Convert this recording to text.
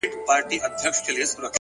مثبت ذهن ناامیدي کمزورې کوي.